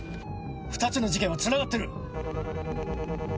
２つの事件はつながってる！